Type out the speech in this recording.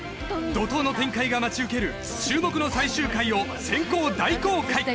怒とうの展開が待ち受ける注目の最終回を先行大公開！